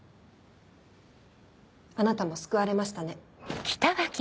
あなたも救われましたね。